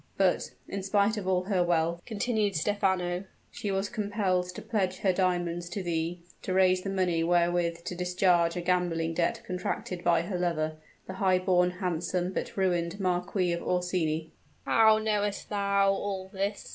"But, in spite of all her wealth," continued Stephano, "she was compelled to pledge her diamonds to thee, to raise the money wherewith to discharge a gambling debt contracted by her lover, the high born, handsome, but ruined Marquis of Orsini." "How knowest thou all this?"